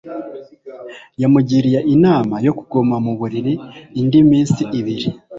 Yamugiriye inama yo kuguma mu buriri indi minsi ibiri